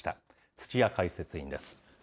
土屋解説委員です。